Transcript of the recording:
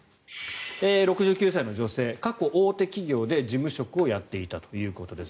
６９歳の女性過去、大手企業で事務職をやっていたということです。